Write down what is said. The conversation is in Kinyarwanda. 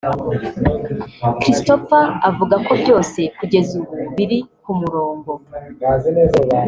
Christopher avuga ko byose kugeza ubu biri ku murongo